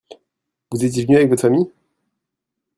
Vous étiez venu avec votre famille ?